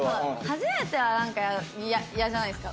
初めてはなんかイヤじゃないですか？